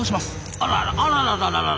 あららあららららら。